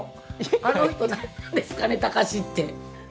あの人、何なんですかね貴司って。